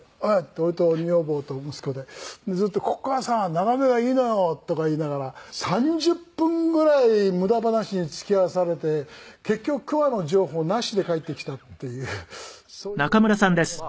俺と女房と息子でずっと「ここはさ眺めがいいのよ」とか言いながら３０分ぐらい無駄話に付き合わされて結局桑の情報なしで帰ってきたっていうそういう思い出もありますね。